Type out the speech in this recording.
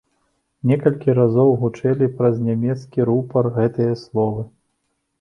Некалькі разоў гучэлі праз нямецкі рупар гэтыя словы.